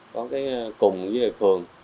có cùng với đại phường